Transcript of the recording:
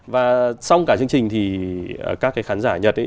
và xong cả chương trình thì các khán giả nhật